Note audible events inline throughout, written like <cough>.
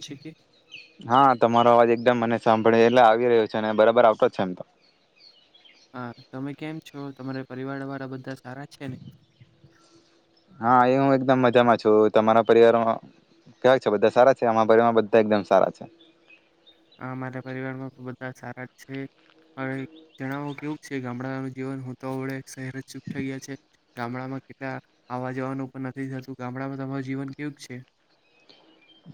છે કે હા તમારો અવાજ એક મ મને સાંભળી એટલે આવી રહ્યો છે અને બરાબર આવતો છે એમ તો. હા તમે કેમ છો? તમારે પરિવાર વાળા બધા સારા છે ને? હા એ હું એકદમ મજામાં છું. તમારા પરિવારમાં કવાય છે? બધા સારા છે? આ પરિવારમાં બધા એકદમ સારા છે. આ મારા પરિવારમાં પણ બધા સારા જ છે. હવે જણાવો કેવું છે ગામડાનું જીવન હું તો વડે શહેર જ ચૂપ થઈ ગયા છે. ગામડામાં કેટલા આવા જવાનું પણ નથી થતું ગામડામાં તમારું જીવન કેવુંક છે?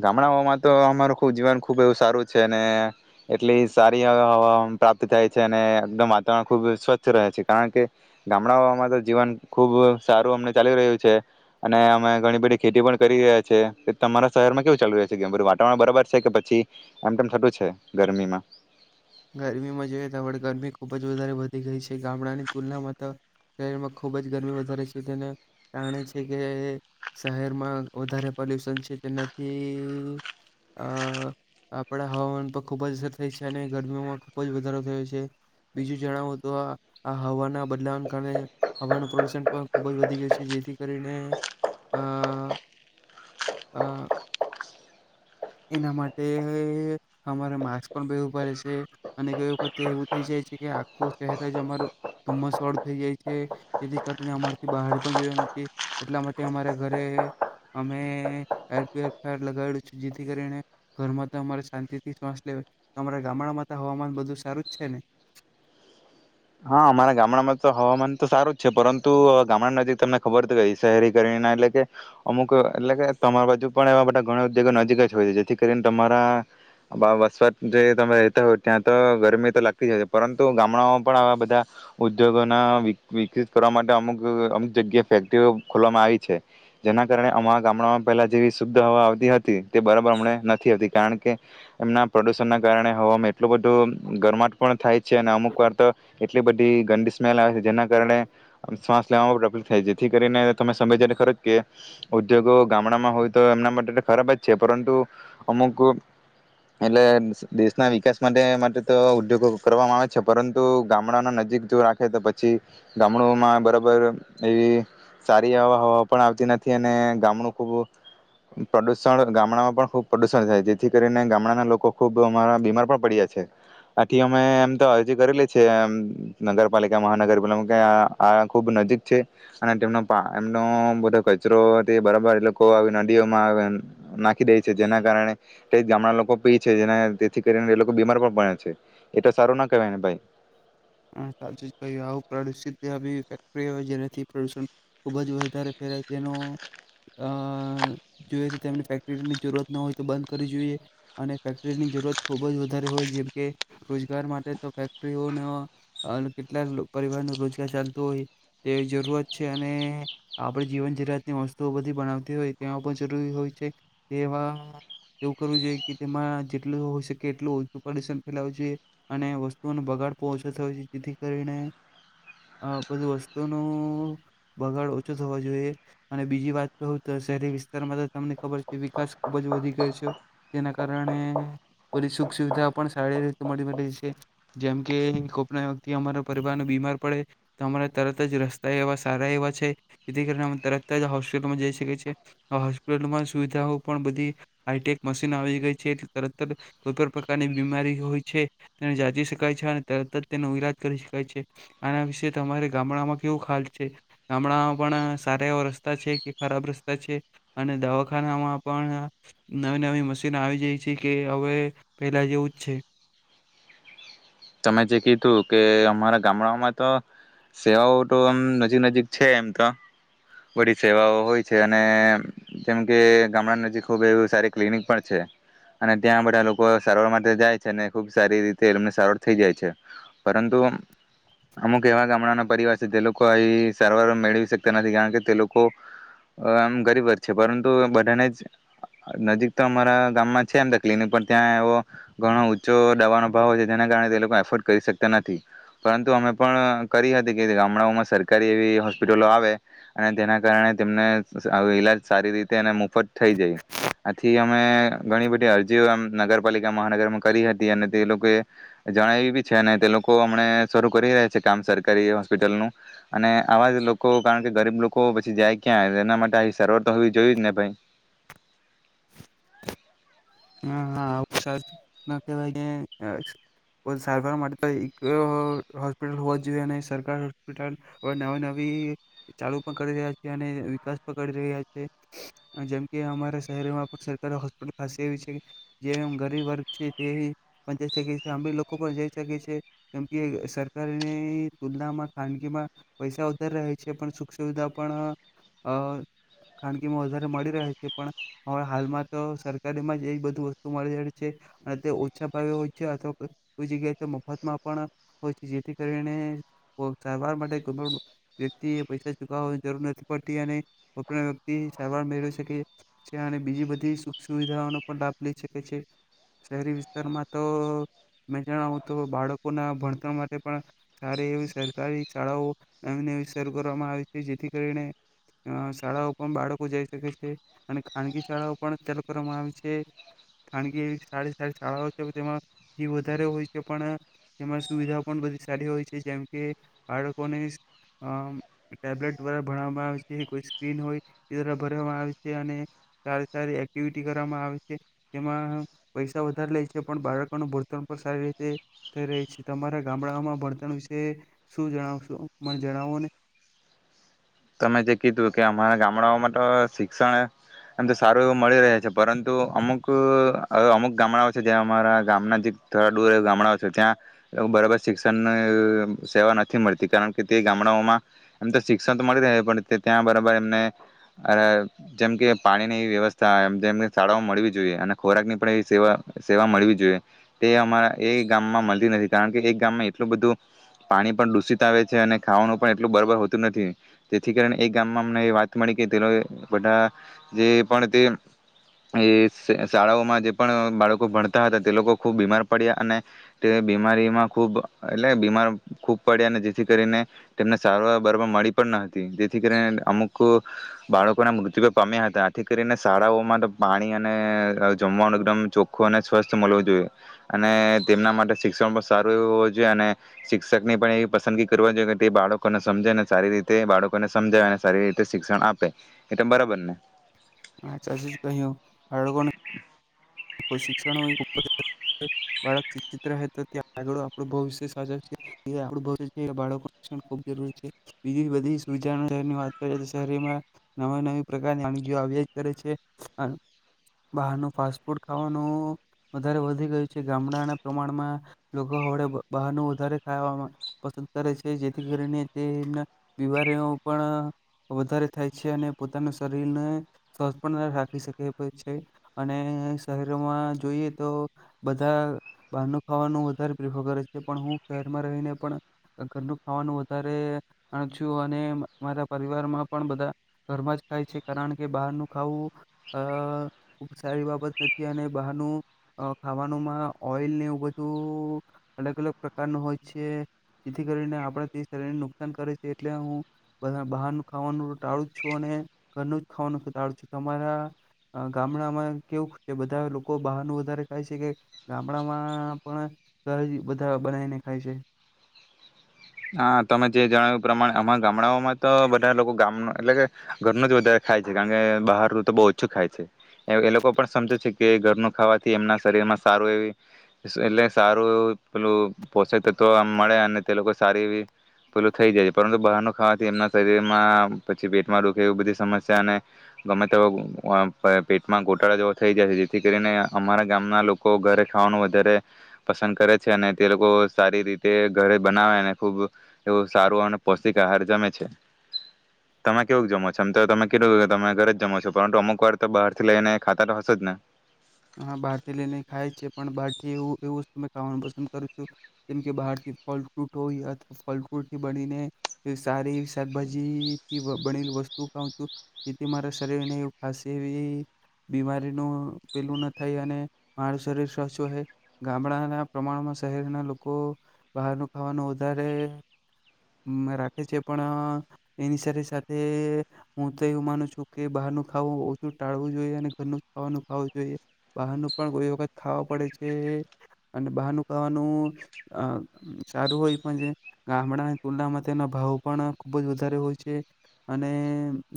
ગામડાઓમાં તો અમારું ખબ જીવન ખુબ એવું સારું છે અને એટલી સારી આહ પ્રાપ્ત થાય છે અને એકદમ વાતાવરણ ખુબ સ્વચ્થ રહે છે. કારણ કે ગામડાઓમાં તો જીવન ખુબ સારું અમને ચાલી રહ્યું છે અને અમે ઘણી બધી ખેતી પણ કરી રહ્યા છે તમારા શહેરમાં કેવું ચાલુ રહે છે કે બધું વાતાવરણ બરાબર છે કે પછી એમ તેમમ થતું છે ગરમીમાં? ગરમીમાં જોઈએ તો આપણે ગરમી ખુબ જ વધારે વધી ગઈ છે. ગામડાની તુલનામાં તો શહેરમાં ખુબ જ ગરમી વધારે છે. તેને કારણે છે કે શહેરમાં વધારે પોલ્યુશન છે તેનાથી અ આપણા હવામાન પર ખૂબ જ અસર થઈ છે અને ગરમીઓમાં ખૂબ જ વધારો થયો છે. બીજું જણાવો તો આ હવાના બદલાવને કારણે હવાનું પ્રદુષણ પણ ખૂબ જ વધી ગયું છે. જેથી કરીને આ આ એના માટે અમારે માસ્ક પણ પેરવુ પડે છે. અને ગઈ વખતે એવું થઈ જાય છે કે આખું શહેર જ અમારું ધુમ્મસવાળું થઈ જાય છે. જેથી કરીને અમારથી બહાર પણ જવાનું છે એટલા માટે અમારા ઘરે અમે એરફર લગાવડું છે જેથી કરીને ઘરમાં તો અમારે શાંતિ થી શ્વાસ લે ગામડામાં તો હવામાન બધું સારું જ છે ને? હા અમારા ગામડામાં તો હવામાન તો સારું જ છે પરંતુ ગામડા નજીક તમને ખબર હતી ગ શહેરી કરી ના એટલે કે અમુક એટલે કે તમારા બાજુ પણ એવા બધા ઘણા ઉદ્યોગો નજીક જ હોય જેથી કરીને તમારા વસવાટ જે તમે રહેતા હોય ત્યાં તો ગરમી તો લાગતી જ હોય છે પરંતુ ગામડામાં પણ આવા બ ધા ઉદ્યોગો વિકિત કરવા માટે અમુક અમુક જગ્યા ફેક્ટરીઓ ખોલવામાં આવી છે. જેના કારણે અ ગામડામાં પહેલા જેવી શુદ્ધ હવા આવતી હતી તે બરાબર અમ નથી આવતી. કારણ કે એમના પ્રદુષણના કારણે હવામાં એટલું બધું ગરમાટ પણ થાય છે અને અમુક વાર તો એટલી બધી ગંડી સ્મેલ આવે છે. જેના કારણે શ્વાસ લેવામાં પ્રફુલિત થાય છે. જેથી કરીને તમે સમય ખરો કે ઉદ્યોગો ગામડામાં હોય તો એમના માટે તો ખરાબ જ છે. પરંતુ અમુક એટલે દેશના વિકાસ માટે માટે તો ઉદ્યોગો કરવામાં આવે છે. પરંતુ ગામડાના નજીક જો રાખે તો પછી ગામડુંમાં બરાબર એવી સારી આહવા પણ આવતી નથી અને ગામડું ખૂબ પ્રદુષણ ગામડામાં પણ ખૂબ પ્રદુષણ થાય. જેથી કરીને ગામડાના લોકો ખૂબ અમારા બીમાર પણ પડ્યા છે આથી અમે એમ તો અરજી કરી લે છે એમ નગરપાલિકા મહાનગરપાલિકા આ ખુબ નજીક છે અને તેમનો એમનો બધો કચરો બરાબર એ લોકો નદીઓમાં નાખી દે છે જેના કારણે તે ગામડા લોકો પી છે તેથી કરીને એ લોકો બીમાર પણ પડે છે. એ તો સારું ના કહેવાય ને ભાઈ <unintelligible> ક આવુ પ્રદુષિત આવી ફેક્ટરી હોય જેનાથી પ્રદુષણ ખુબ જ વધારે ફેલાય તેનો અ જોએ તો તેમને ફેક્ટરીની જરૂરત ન હોય તો બંધ કરીવી જોઈએ અને ફેક્ટરીની જરૂરત ખુબ જ વધારે હોય જેમકે રોજગાર માટે તો ફેક્ટરીઓનો કેટલા પરિવાર નું રોજગાર ચાલતોું હોય તેવી જરૂરત છે અને આપડી જીવન જરૂરિયાતની વસ્તુઓ બધી બનાવતી હોય તે પણ જરૂરી હોય છે. તેમાં એવું કરવું જોઈએ કે તેમાં જેટલું હોય શકે એટલું ઓછું પ્રદુષણ ફેલાવું જોઈએ અને વસ્તુઓનો બગાડ પણ ઓ છો થવો જોઈએ. જેથી કરીને અ બધું વસ્તુનો બગાડ ઓછો થવા જોઈએ અને બીજી વાત કહું તો શહેરી વિસ્તારમાં તો તમને ખબર છે વિકાસ ખૂબ જ વધી ગયો છે. જેના કારણે બધી સુખ સુવિધાઓ પણ સારી રીતે મળી છે. જેમ કે કોપના વ્યતિ અમારા પરિવાર ન બીમાર પડે તો અમારા તરત જ રસ્તા એવા સારા એવા છે. જેથી કરીને અમે તરત જ હોસ્પિટલમાં જઈ શકીએ છીએ. આ હોસ્પિટલમાં સુવિધાઓ પણ બધી હઈટેક મશીન આવી ગઈ છે, તરત જ કોઈ પણણ પ્રકારની બીમારી હોય છે તેને જાચી શકાય છે અને તરત જ તેનો ઈલાજ કરી શકાય છે. આના વિશે તમારે ગામડામાં કેવું ખ્યાલ છે? ગામડામાં પણ સારા એવા રસ્તા છે કે ખરાબ રસ્તા છે અને દવાખાનામાં પણ નવી નવી મશીન આવી જાય છે કે હવે પહેલા જેવું જ છે? તમે જે કીધું કે અમારા ગામડાઓમાં તો સેવાઓ તો આમ નજીક નજીક છે એમ તો બધી સેવાઓ હોય છે અને જેમ કે ગામડા નજીક ખૂબ એવ સારી ક્લિનિક પણ છે અને ત્યાં બધા લોકો સારવાર માટે જાય છે અનેને ખુબ સારી રીતે એમને સારવાર થય જાય છે. પરંતુ અમુક એવા ગામડાના પરિવાર છે જે લોકો અહી સારવાર મેળવી શકતા નથી. કારણ કે તે લોકો આમ ગરીબ જ છે પરંતુ બધાને જ નજીક તો અમારા ગામમાં છે એમ તો ક્લિનિક પણ ત્યાં એવો ઘણો ઊંચો દવાનો ભાવ હોય છે જેના કારણે એફોર્ડ કરી શકતા નથી. પરંતુ અમે પણ કરી હતી કે ગામડાઓમાં સરકારી એવી હોસ્પિટલો આવે અને તેના કારણે તેમને ઈલાજ સારી રીતે અને મફત થઈ જાય. આથી અમે ઘણી બધી અરજીઓ નગરપાલિકા મહાનગરમાં કરી હતી અને તે લોકોએ જણાય એવી બી છે ને તે લોકો હમને શરૂ કરી રહ્યા છે કામ સરકારી હોસ્પિટલનું અને આવા જ લોકો કારણ કે ગરીબ લોકો પછી જાય ક્યાં એના માટે આ સારવર તો હોવી જોયું જ ને ભાઈ. હમ્મ હા <unintelligible> કવાય કે સારવાર માટે તો એક હોસ્પિટલ હોવા જોઈએ અને સરકારી હોસ્પિટલ નવી નવી ચાલુ પણ કરી રહ્યા છે અને વિકાસ પણ કરી રહ્યા છે. જેમકે અમારા શહેરમાં પણ સરકારી હોસ્પિટલ ખાસી આવી છ જે ગરીબ વર્ગ છે તે પણ જઈ શકે છે, અમીર લોકો પણ જઈ શકે છે કેમ કે સરકારની તુલનામાં ખાનગીમાં પૈસા વધારે રહે છે. પણ સુખ સુવિધા પણ અ ખાનગીમાં વધારે મળી રહે છે. પણ હ હાલમાં તો સરકારીમાં જ બધુ વસ્તુ મળી રહે છે અને તે ઓછા ભાવ હોય છે અથવા કોઈ જગ્યાએ મફતમાં પણ હોય છે. જેથી કરીને સારવાર માટે કોઈ પણ વ્યક્તિ એ પૈસા ચુકવવાની જરૂર નથી પડતી અને કોઈ પણ વ્યક્તિ સારવાર મેળવી શકે છે અને બીજી બધી સુખ સુવિધાઓનો શહેરી વિસ્તારમાં તો જણાવ તો બાળકો ના ભણતર માટે પણ સારી એવી સરકારી શાળાઓ નવી નવી શરૂ કરવામાં આવે છે. જેથી કરીને શાળાઓ પણ બાળકો જઈ શકે છે અને ખાનગી શાળાઓ પણ ચાલુ કરવામાં આવે છે. ખાનગી સારી સારી શાળાઓ છે તેમાં ફી વધારે હોય છે પણ તેમાં સુવિધાઓ પણ બધી સારી હોય છે. જેમ કે બાળકોને અ ટેબ્લેટ દ્વારા ભણવામાં આવે છે. કોઈ સ્ક્રીન હોય એ દ્વારા ભણવામાં આવે છે અને સારી સારી એક્ટિવિટી કરવામાં આવે છે તેમાં પૈસા વધારે લે છે પણ બાળકોનું ભણતણ પણ સારી રીતે થઈ રહી છે. તમારા ગામડાઓમાં ભણતણ વિશે શું જણાવશો મને જણાવો ને. તમે જે કીધું કે અમારા ગામડાઓમાં તો શિક્ષણ એમ તો સારું એવું મળી રહે છે પરંતુ અમુક અમુક ગામડાઓ છે. જ્યા અમારા ગામના જે થોડા દૂર ગામડાઓ છે. જ્યાં બરાબર શિક્ષણની અ સેવા નથી મળતી કારણ કે તે ગામડાઓમાં એમ તો શિક્ષણ તો મળી રહે પણ ત્યાં બરાબર એમને જેમ કે પાણીની વ્યવસ્થા જેમ કે શાળાઓમાં મળવી જોઈએ અને ખોરાક ની પણ એવી સેવા સેવા મળવી જોઈએ તે અમારા એ ગામમાં મળતી નથી કારણ કે એક ગામમાં એટલું બધું પાણી પણ દૂષિત આવે છે અને ખાવાનું પણ એટલું બરાબર હોતું નથી. જેથી કરીને એ ગામમાં અમને વાત મળી કે તે બધા જે પણ તે શાળાઓમાં જે પણ બાળકો ભણતા હતા. તે લોકો ખૂબ બીમાર પડ્યા અને તે બીમારીમાં ખૂબ એટલે બીમાર ખૂબ પડ્યા અને જેથી કરીને તેમને સારવાર બરોબર મળી જેથી કરીને અમુક બાળકોના મૃત્યુ પામ્યા હતા. આથી કરીને શાળાઓમાં તો પાણી અને જમવાનું એકદમ ચોખ્ખું અને સ્વસ્થ મળવું જોઈએ અને તેમના માટે શિક્ષણ પણ સારું એવું હોવું જોઈએ અને શિક્ષકની પણ એવી પસંદગી કરવા જોઈએ કે તે બાળકોને સમજે ને સારી રીત તે બાળકોને સમજાવે અને સારી રીતે શિક્ષણ આપે એતો બરાબર ને. હા સાચું જ કહ્યું હડવો <inaudible> શિક્ષણ <unintelligible> શિક્ષિત રહે તો તે આળ આપણું ભવિષ્ય ખુબ જરૂરી છે બીજી બધીની વાત કરી તો શહેરમાં નવા નવી પ્રકારની માંદગી આવ્યા જ કરે છે બહાર નું ફાસટ ફૂડ ફૂડ ખાવાનું વધારે વધી ગયું છે. ગામડાના પ્રમાણમાં લોકો હળ બહારનું વધારે ખાવામાં પસંદ કરે છે. જેથી કરીને તે બીમારીઓ પણ વધારે થાય છે અને પોતાના શરીરને સ્વસ્થ પણ રાખી શકે છે અને શહેરમાં જોઈએ તો બધા બહારનું ખાવાનું વધારે પ્રિફર કરે છે પણ હું શહેરમાં રહીને પણ ઘરનું ખાવાનું વધારે જાણ છું અને મારા પરિવારમાં પણ બધા ઘરમાં જ ખાય છે કારણ કે બહારનું ખાવું અ ખુબ સારી બાબત નથી અને બહારનું ખાવાનુંમાં ઓઈલને એવ બધું અલગ અલગ પ્રકારનું હોય છે. જેથી કરીને આપણે તે શરીરને નુકસાન કરે છે એટલે હું બહારનું ખાવાનું ટાળું જ છું અને ઘરનું જ ખાવાનું ટાળું છું તમારા ગામડામાં કેવું? કે બધા લોકો બહારનું વધારે ખાય છે કે ગામડામાં પણ ઘરે થી બધા બનાવીને ખાય છે. હા તમે જે જણાવ્યું એ પ્રમાણે અમારા ગામડાઓમાં તો બધા લોકો ગામનું એટલે કે ઘરનું જ વધારે ખાય છે કારણ કે બહારનું તો બહુ ઓછું ખાય છે. એ લોકો પણ સમજે છે કે ઘરનું ખાવાથી એમના શરીરમાં સારું એવી એટલે સારું એવું પેલું પોષક તત્વ મળે અને તે લોકો સારી એવી પેલું થઈ જાય છે પરંતુ બહારનું ખાવાથી એમના શરીરમાં પછી પેટમાં દુખે એવી બધી સમસ્યા અને ગમે તે પેટમાં ગોટાળા જેવો થઈ જાય છે. જેથી કરીને અમારા ગામના લોકો ઘરે ખાવાનું વધારે પસંદ કરે છે અને તે લોકો સારી રીતે ઘરે બનાવે અને ખુબ એવું સારું અને પૌષ્ટિક આહાર જમે છે. તમે કેવું જમો છો? આમ તો તમે કીધું તમે ઘરે જ જમો છો પરંતુ અમુક વાર તો બહાર થી લઈને ખાતા તો હસે જ ને. હા બહાર થી લઈને ખાય છે પણ બાર થી એઉ એઉ વસ્તુ ખાવાનું પસંદ કરું છું. જેમ કે બહાર થી ફલ ફ્રૂટ હોય અથવા ફલ ફ્રૂટ થી બનીને સારી એવી શાકભાજીથી બનેલી વસ્તુ ખાઉં છું. જેથી મારા શરીરને એ ખાસ એવી બીમારીનું પેલું ન થાય અને મારું શરીર સ્વસ્છ રહે ગામડાના પ્રમાણમાં શહેરના લોકો બહારનું ખાવાનું વધારે રાખે છે પણ એની સાથે સાથે હું તો એવું માનું છું કે બહારનું ખાવું ઓછું ટાળવું જોઈએ અને ઘરનું જ ખાવાનું ખાવું જોઈએ બહારનું પણ કોઈ વખત ખાવા પડે છે અને બહારનું ખાવાનું અ સારું હોય પણ છે ગામડા તુલના માં તેના ભાવ પણ ખૂબ જ વધારે હોય છે અને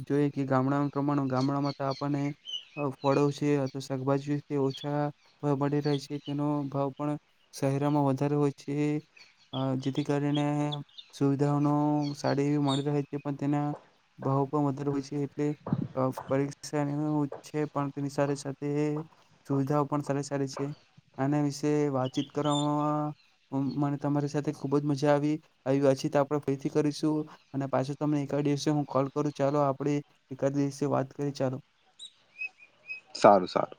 જોઈએ કે ગામડાનું પ્રમાણ ગામડામાં તો આપણને ફળઓ છે, શાકભાજી તે ઓછા ભાવ મળી રહે છે તેનો ભાવ પણ શહેરામાં વધારે હોય છે. અ જેથી કરીને સુવિધાઓનો સારી એવી મળી રહે છે પણ તેના ભાવ પણ વધારે હોય છે એટલે પરીક્ષા છે પણ તેની સાથે સાથે સુવિધાઓ પણ સારી સારી છે. આના વિશે વાતચીત કરવામાં મને તમારી સાથે ખુબ જ મજા આવી. આવી વાતચીત આપણે ફરીથી કરીશું અને પાછું તમને એકાદ દિવસે હું કોલ કરું ચાલો આપણે એકાદ દિવસે વાત કરીએ ચાલો. સારું સારું.